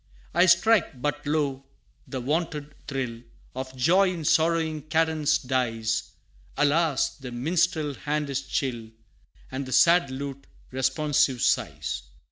I strike but lo, the wonted thrill, Of joy in sorrowing cadence dies: Alas! the minstrel's hand is chill, And the sad lute, responsive, sighs.